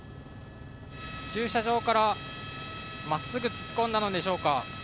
駐車場から、真っすぐ突っ込んだのでしょうか。